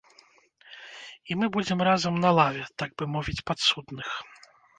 І мы будзем разам на лаве, так бы мовіць, падсудных.